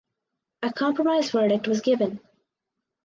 A compromise verdict was given.